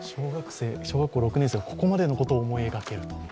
小学校６年生がここまでのことを思い描けると。